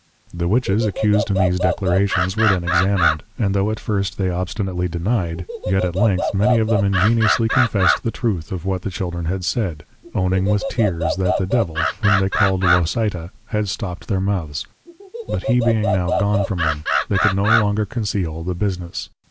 The \Witches\ Accus'd in these Declarations, were then Examined; and tho' at first they obstinately \Denied\, yet at length many of them ingeniously \Confessed\ the Truth of what the children had said; owning with Tears, that the \Devil\, whom they call'd Locyta, had \Stopt\ their \Mouths\; but he being now \Gone\ from them, they could \No Longer Conceal\ the Business.